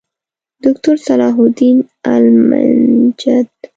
دوکتورصلاح الدین المنجد